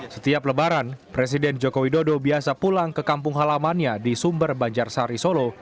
setiap lebaran presiden joko widodo biasa pulang ke kampung halamannya di sumber banjar sari solo